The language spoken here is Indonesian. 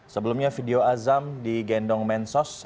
sebelumnya video azam digendong mensos